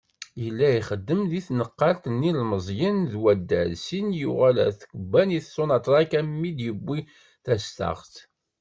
Yella ixeddem deg tnqlaft n yilmeẓyen d waddal, syin yuɣal ɣer tkebbanit Sonatrach armi i d-yewwi tastaɣt.